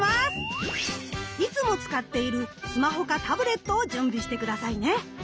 いつも使っているスマホかタブレットを準備して下さいね。